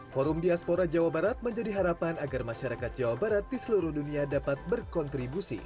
forum diaspora jawa barat menjadi harapan agar masyarakat jawa barat di seluruh dunia dapat berkontribusi